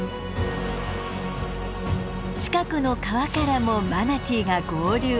近くの川からもマナティーが合流。